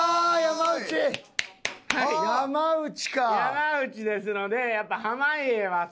山内ですのでやっぱ濱家は相当有利。